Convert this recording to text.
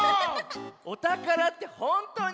おたからってほんとに？